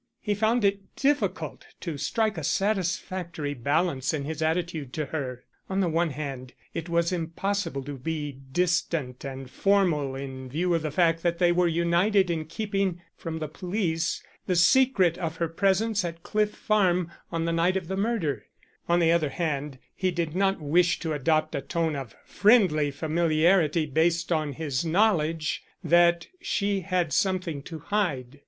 He found it difficult to strike a satisfactory balance in his attitude to her. On the one hand, it was impossible to be distant and formal in view of the fact that they were united in keeping from the police the secret of her presence at Cliff Farm on the night of the murder; on the other hand, he did not wish to adopt a tone of friendly familiarity based on his knowledge that she had something to hide.